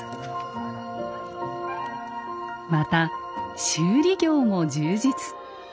また修理業も充実。